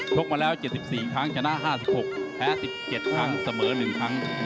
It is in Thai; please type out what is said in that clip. กมาแล้ว๗๔ครั้งชนะ๕๖แพ้๑๗ครั้งเสมอ๑ครั้ง